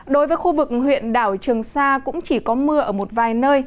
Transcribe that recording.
đối với khu vực huyện đảo trường sa cũng chỉ có mưa ở một vài nơi